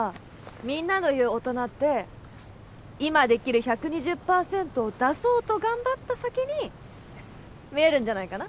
みんなの言う大人って今できる１２０％を出そうと頑張った先に見えるんじゃないかな